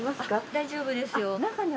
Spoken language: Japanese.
大丈夫ですよ。